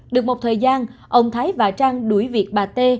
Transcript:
được một thời gian ông thái và trang đuổi việc bà t